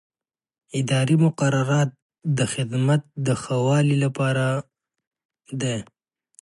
اداري مقررات د خدمت د ښه والي لپاره دي.